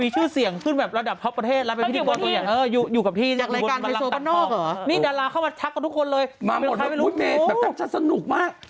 ใจรัก